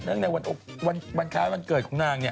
ในวันคล้ายวันเกิดของนางเนี่ย